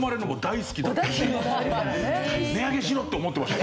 「値上げしろ」って思ってました。